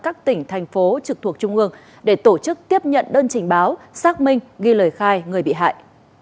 các tỉnh thành phố trực thuộc trung ương để tổ chức tiếp nhận đơn trình báo xác minh ghi lời khai người bị hại